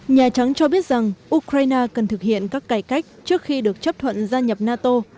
nhà trắng cho biết rằng ukraine cần thực hiện các cải cách trước khi được chấp thuận gia nhập nato